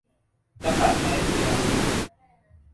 กษัตริย์มาเลเซีย